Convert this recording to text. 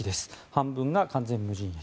半分が完全無人駅。